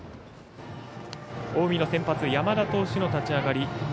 近江の先発山田投手の立ち上がり。